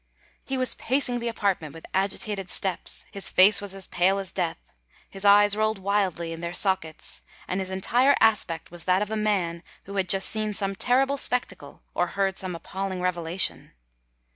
He was pacing the apartment with agitated steps; his face was as pale as death—his eyes rolled wildly in their sockets—and his entire aspect was that of a man who had just seen some terrible spectacle, or heard some appalling revelation.